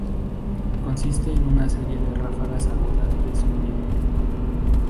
Consiste en una serie de ráfagas agudas de zumbido.